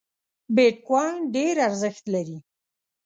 بیټ کواین ډېر ارزښت لري